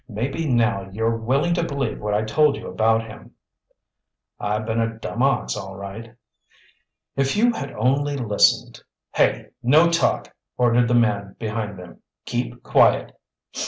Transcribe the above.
"Maybe now you're willing to believe what I told you about him." "I've been a dumb ox, all right." "If you had only listened—" "Hey, no talk!" ordered the man behind them. "Keep quiet!"